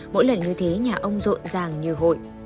mỗi lần như thế nhà ông rộn ràng như hội